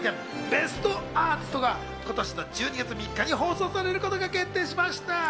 『ベストアーティスト』が今年の１２月３日に放送されることが決定しました。